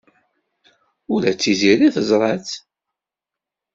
Ula d Tiziri teẓra-tt.